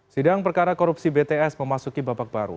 sidang perkara korupsi bts memasuki babak baru